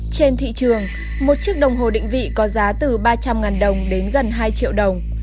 trên thị trường một chiếc đồng hồ định vị có giá từ ba trăm linh đồng đến gần hai triệu đồng